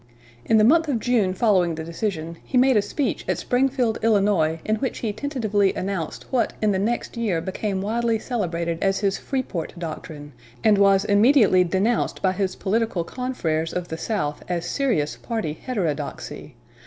In the month of June following the decision, he made a speech at Springfield, Illinois, in which he tentatively announced what in the next year became widely celebrated as his Freeport doctrine, and was immediately denounced by his political confrères of the South as serious party heterodoxy.